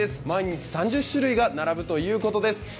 毎日３０種類が並ぶということです。